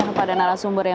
yang terakhir disuruh diri